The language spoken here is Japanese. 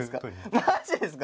マジですか！？